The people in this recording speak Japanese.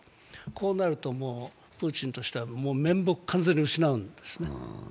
こうなるともう、プーチンとしては完全に面目を失うんですね。